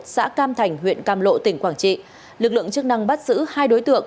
xã cam thành huyện cam lộ tỉnh quảng trị lực lượng chức năng bắt giữ hai đối tượng